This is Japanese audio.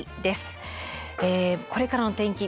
これからの天気